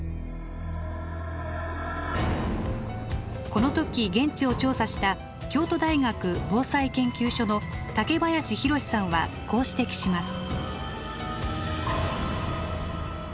この時現地を調査した京都大学防災研究所の竹林洋史さんはこう指摘します。